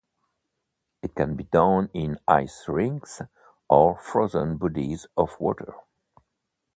It can be done in ice rinks or frozen bodies of water.